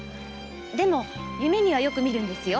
でも夢にはよく見るんですよ。